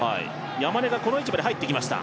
山根がこの位置まで入ってきました。